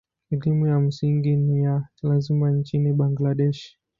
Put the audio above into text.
Elimu ya msingi ni ya lazima nchini Bangladesh.